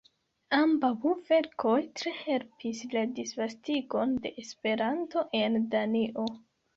Ambaŭ verkoj tre helpis la disvastigon de Esperanto en Danio.